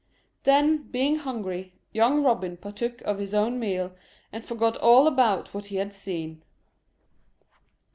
Then, being hungry, young Robin partook of his own meal, and forgot all about what he had seen.